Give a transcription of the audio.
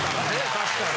確かに。